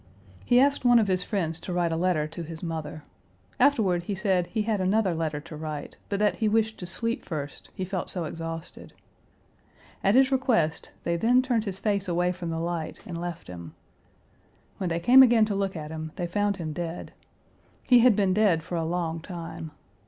He asked one of his friends to write a letter to his mother. Afterward he said he had another letter to write, but that he wished to sleep first, he felt so exhausted. At his request they then turned his face away from the light and left him. When they came again to look at him, they found him dead. He had been dead for a long time.